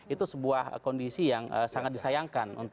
itu sebuah kondisi yang sangat disayangkan